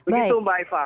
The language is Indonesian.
begitu mbak eva